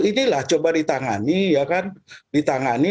inilah coba ditangani ya kan ditangani